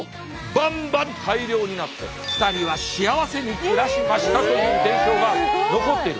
バンバン大漁になって２人は幸せに暮らしましたという伝承が残ってる。